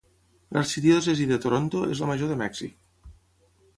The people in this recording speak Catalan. L'arxidiòcesi de Toronto és la major de Mèxic.